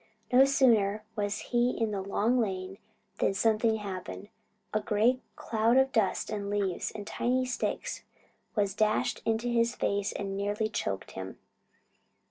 No sooner was he in the Long Lane than something happened. A great cloud of dust and leaves and tiny sticks was dashed in his face and nearly choked him.